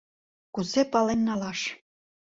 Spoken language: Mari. Кузе пален налаш?